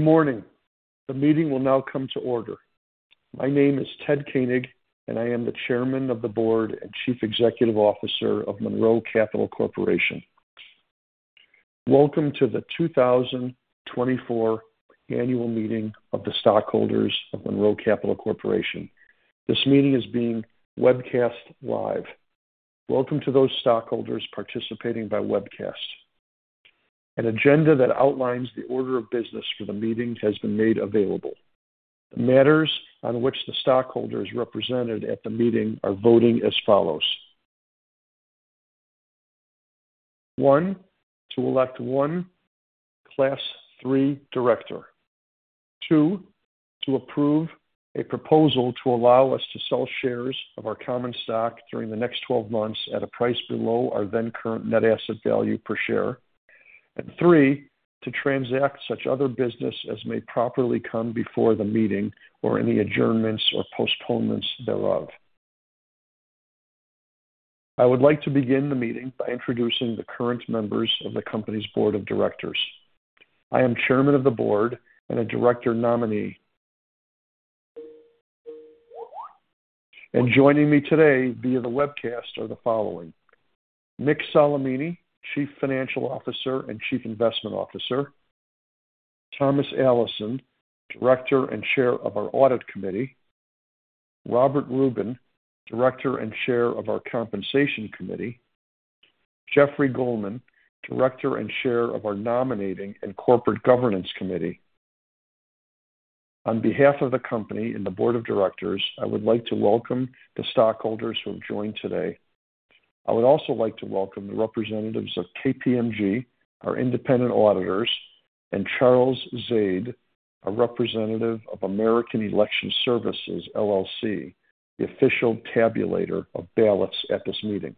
Good morning. The meeting will now come to order. My name is Ted Koenig, and I am the Chairman of the Board and Chief Executive Officer of Monroe Capital Corporation. Welcome to the 2024 Annual Meeting of the Stockholders of Monroe Capital Corporation. This meeting is being webcast live. Welcome to those stockholders participating by webcast. An agenda that outlines the order of business for the meeting has been made available. The matters on which the stockholders represented at the meeting are voting as follows: One, to elect one Class III director. Two, to approve a proposal to allow us to sell shares of our common stock during the next 12 months at a price below our then-current net asset value per share. And three, to transact such other business as may properly come before the meeting or any adjournments or postponements thereof. I would like to begin the meeting by introducing the current members of the company's board of directors. I am Chairman of the Board and a director nominee. Joining me today via the webcast are the following: Mick Solimene, Chief Financial Officer and Chief Investment Officer. Thomas Allison, Director and Chair of our Audit Committee. Robert Rubin, Director and Chair of our Compensation Committee. Jeffrey Goldman, Director and Chair of our Nominating and Corporate Governance Committee. On behalf of the company and the board of directors, I would like to welcome the stockholders who have joined today. I would also like to welcome the representatives of KPMG, our independent auditors, and Charles Zade, a representative of American Election Services LLC, the official tabulator of ballots at this meeting.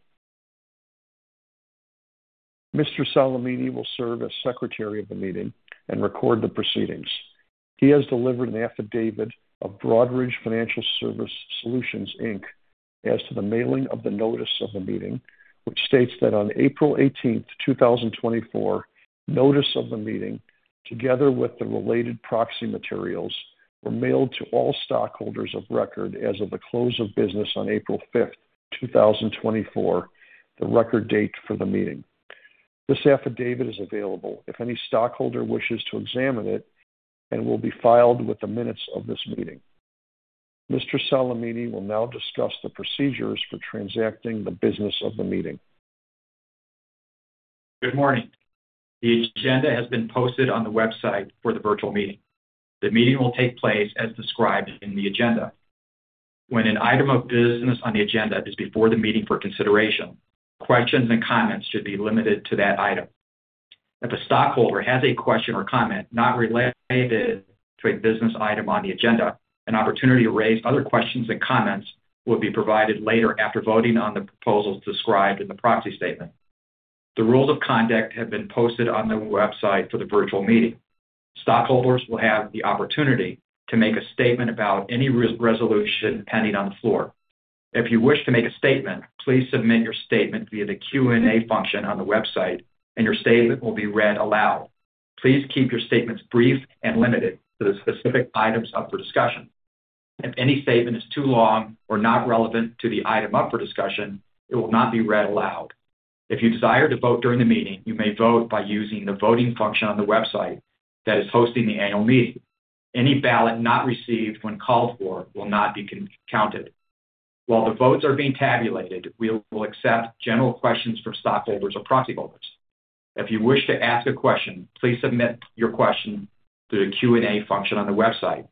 Mr. Solimene will serve as Secretary of the Meeting and record the proceedings. He has delivered an affidavit of Broadridge Financial Solutions, Inc. as to the mailing of the notice of the meeting, which states that on April 18, 2024, notice of the meeting, together with the related proxy materials, were mailed to all stockholders of record as of the close of business on April 5, 2024, the record date for the meeting. This affidavit is available if any stockholder wishes to examine it and will be filed with the minutes of this meeting. Mr. Solimene will now discuss the procedures for transacting the business of the meeting. Good morning. The agenda has been posted on the website for the virtual meeting. The meeting will take place as described in the agenda. When an item of business on the agenda is before the meeting for consideration, questions and comments should be limited to that item. If a stockholder has a question or comment not related to a business item on the agenda, an opportunity to raise other questions and comments will be provided later after voting on the proposals described in the proxy statement. The rules of conduct have been posted on the website for the virtual meeting. Stockholders will have the opportunity to make a statement about any resolution pending on the floor. If you wish to make a statement, please submit your statement via the Q&A function on the website, and your statement will be read aloud. Please keep your statements brief and limited to the specific items up for discussion. If any statement is too long or not relevant to the item up for discussion, it will not be read aloud. If you desire to vote during the meeting, you may vote by using the voting function on the website that is hosting the annual meeting. Any ballot not received when called for will not be counted. While the votes are being tabulated, we will accept general questions from stockholders or proxy voters. If you wish to ask a question, please submit your question through the Q&A function on the website.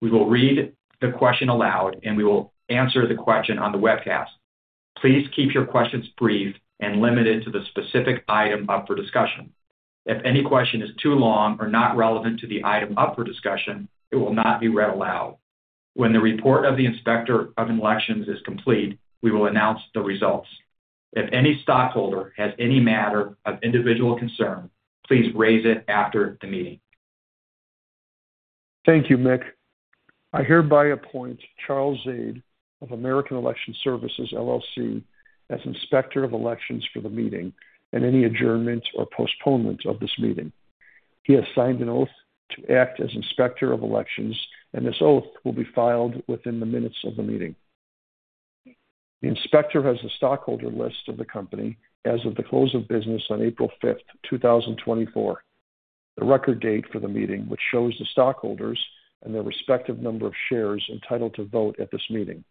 We will read the question aloud, and we will answer the question on the webcast. Please keep your questions brief and limited to the specific item up for discussion. If any question is too long or not relevant to the item up for discussion, it will not be read aloud. When the report of the Inspector of Elections is complete, we will announce the results. If any stockholder has any matter of individual concern, please raise it after the meeting. Thank you, Mick. I hereby appoint Charles Zade of American Election Services LLC as Inspector of Elections for the meeting and any adjournments or postponements of this meeting. He has signed an oath to act as Inspector of Elections, and this oath will be filed within the minutes of the meeting. The inspector has the stockholder list of the company as of the close of business on April 5, 2024, the record date for the meeting, which shows the stockholders and their respective number of shares entitled to vote at this meeting.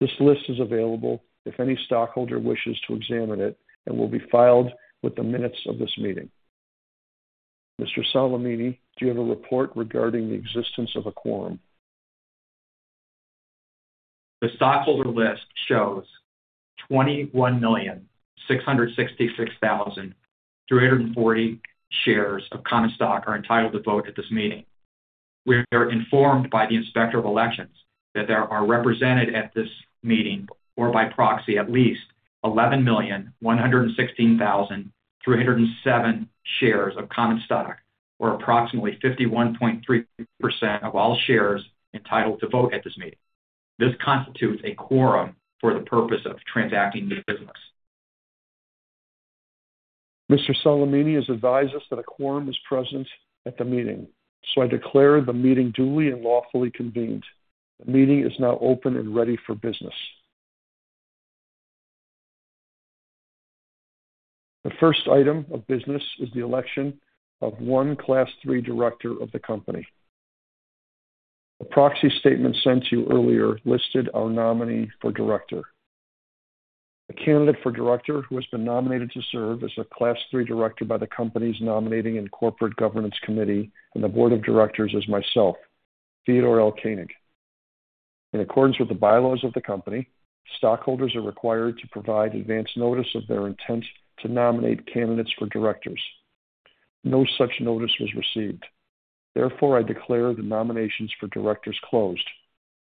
This list is available if any stockholder wishes to examine it and will be filed with the minutes of this meeting. Mr. Solimene, do you have a report regarding the existence of a quorum? The stockholder list shows 21,666,340 shares of common stock are entitled to vote at this meeting. We are informed by the Inspector of Elections that there are represented at this meeting, or by proxy at least, 11,116,307 shares of common stock, or approximately 51.3% of all shares entitled to vote at this meeting. This constitutes a quorum for the purpose of transacting the business. Mr. Solimene has advised us that a quorum is present at the meeting, so I declare the meeting duly and lawfully convened. The meeting is now open and ready for business. The first item of business is the election of one Class III director of the company. The proxy statement sent to you earlier listed our nominee for director. A candidate for director who has been nominated to serve as a Class III director by the company's Nominating and Corporate Governance Committee and the board of directors is myself, Theodore L. Koenig. In accordance with the bylaws of the company, stockholders are required to provide advance notice of their intent to nominate candidates for directors. No such notice was received. Therefore, I declare the nominations for directors closed.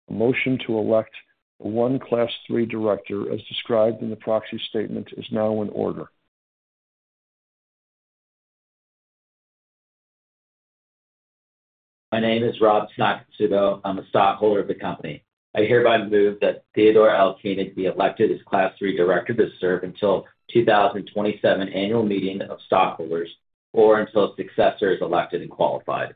A motion to elect one Class III director as described in the proxy statement is now in order. My name is Rob Tanakatsubo. I'm a stockholder of the company. I hereby move that Theodore L. Koenig be elected as Class III director to serve until 2027 Annual Meeting of Stockholders or until a successor is elected and qualified.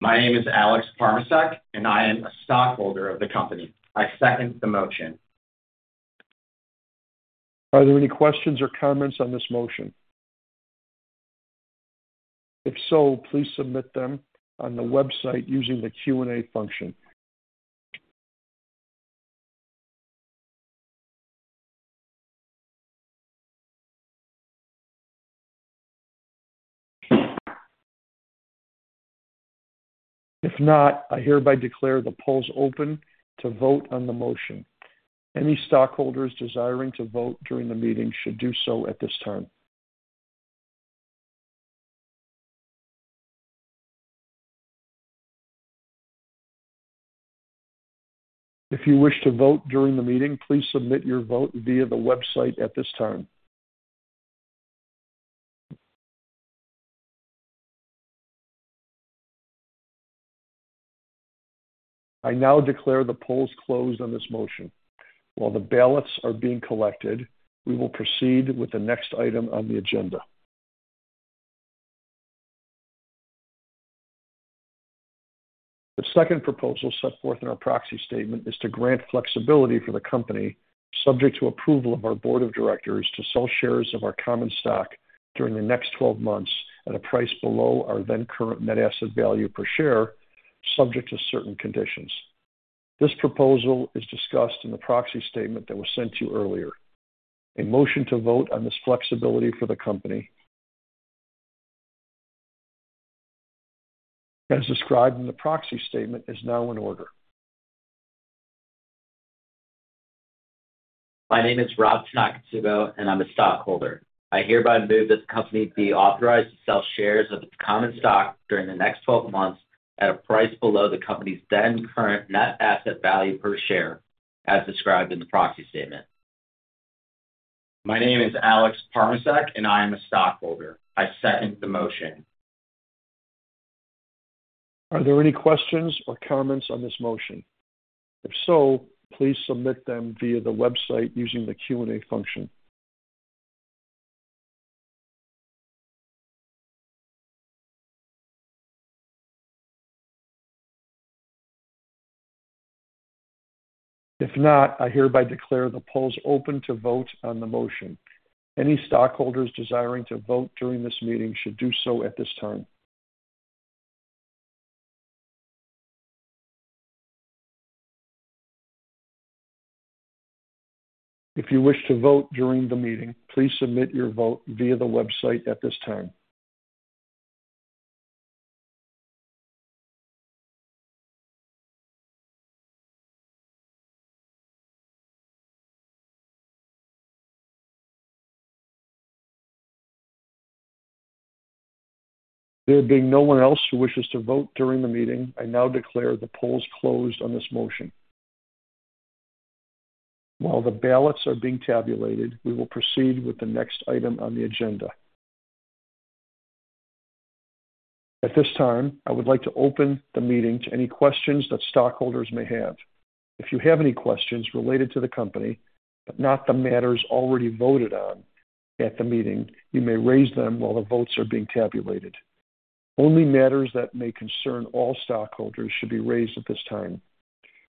My name is Alex Parmacek, and I am a stockholder of the company. I second the motion. Are there any questions or comments on this motion? If so, please submit them on the website using the Q&A function. If not, I hereby declare the polls open to vote on the motion. Any stockholders desiring to vote during the meeting should do so at this time. If you wish to vote during the meeting, please submit your vote via the website at this time. I now declare the polls closed on this motion. While the ballots are being collected, we will proceed with the next item on the agenda. The second proposal set forth in our proxy statement is to grant flexibility for the company, subject to approval of our board of directors, to sell shares of our common stock during the next 12 months at a price below our then-current net asset value per share, subject to certain conditions. This proposal is discussed in the proxy statement that was sent to you earlier. A motion to vote on this flexibility for the company, as described in the proxy statement, is now in order. My name is Rob Tanakatsubo, and I'm a stockholder. I hereby move that the company be authorized to sell shares of its common stock during the next 12 months at a price below the company's then-current net asset value per share, as described in the proxy statement. My name is Alex Parmacek, and I am a stockholder. I second the motion. Are there any questions or comments on this motion? If so, please submit them via the website using the Q&A function. If not, I hereby declare the polls open to vote on the motion. Any stockholders desiring to vote during this meeting should do so at this time. If you wish to vote during the meeting, please submit your vote via the website at this time. There being no one else who wishes to vote during the meeting, I now declare the polls closed on this motion. While the ballots are being tabulated, we will proceed with the next item on the agenda. At this time, I would like to open the meeting to any questions that stockholders may have. If you have any questions related to the company but not the matters already voted on at the meeting, you may raise them while the votes are being tabulated. Only matters that may concern all stockholders should be raised at this time.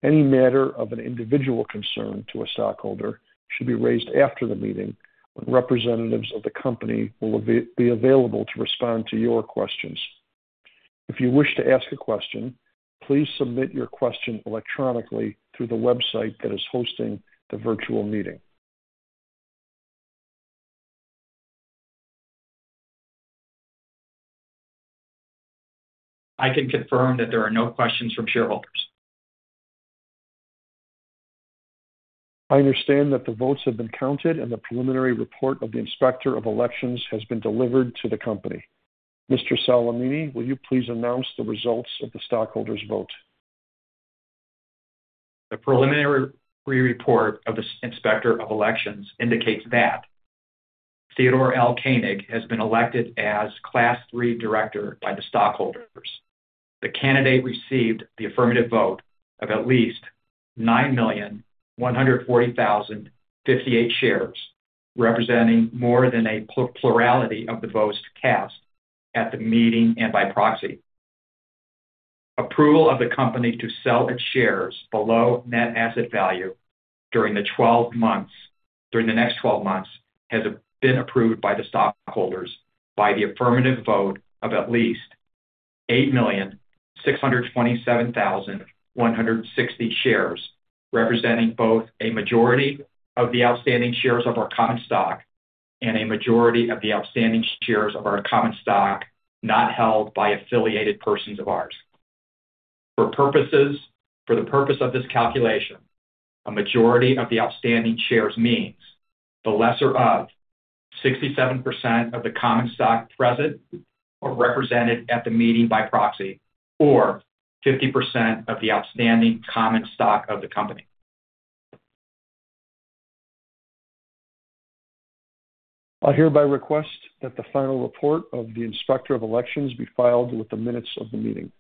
Any matter of an individual concern to a stockholder should be raised after the meeting when representatives of the company will be available to respond to your questions. If you wish to ask a question, please submit your question electronically through the website that is hosting the virtual meeting. I can confirm that there are no questions from shareholders. I understand that the votes have been counted and the preliminary report of the Inspector of Elections has been delivered to the company. Mr. Solimene, will you please announce the results of the stockholders' vote? The preliminary report of the Inspector of Elections indicates that Theodore L. Koenig has been elected as Class III director by the stockholders. The candidate received the affirmative vote of at least 9,140,058 shares, representing more than a plurality of the votes cast at the meeting and by proxy. Approval of the company to sell its shares below net asset value during the next 12 months has been approved by the stockholders by the affirmative vote of at least 8,627,160 shares, representing both a majority of the outstanding shares of our common stock and a majority of the outstanding shares of our common stock not held by affiliated persons of ours. For the purpose of this calculation, a majority of the outstanding shares means the lesser of 67% of the common stock present or represented at the meeting by proxy or 50% of the outstanding common stock of the company. I hereby request that the final report of the Inspector of Elections be filed with the minutes of the meeting.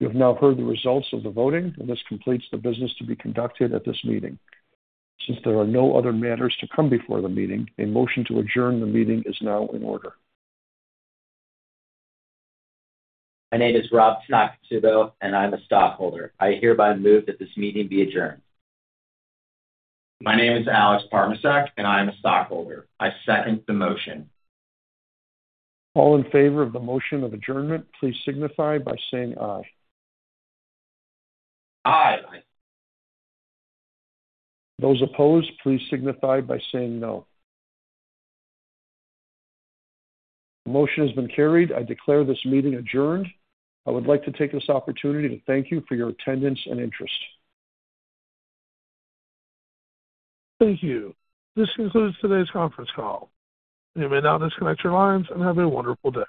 You have now heard the results of the voting, and this completes the business to be conducted at this meeting. Since there are no other matters to come before the meeting, a motion to adjourn the meeting is now in order. My name is Rob Tanakatsubo, and I'm a stockholder. I hereby move that this meeting be adjourned. My name is Alex Parmacek, and I'm a stockholder. I second the motion. All in favor of the motion of adjournment, please signify by saying aye. Aye. Those opposed, please signify by saying no. The motion has been carried. I declare this meeting adjourned. I would like to take this opportunity to thank you for your attendance and interest. Thank you. This concludes today's conference call. You may now disconnect your lines and have a wonderful day.